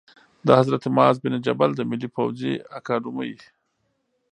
د حضرت معاذ بن جبل د ملي پوځي اکاډمۍ